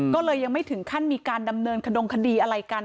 ก็เลยยังไม่ถึงขั้นมีการดำเนินขดงคดีอะไรกัน